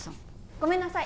ごめんなさい